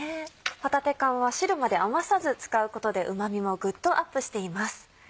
帆立缶は汁まで余さず使うことでうま味もグッとアップしています。